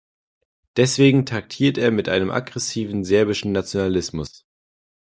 Deswegen taktiert er mit einem aggressiven serbischen Nationalismus.